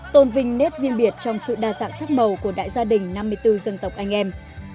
tôn vinh nét riêng biệt trong sự đa dạng sắc màu của đại gia đình năm mươi bốn dân tộc anh em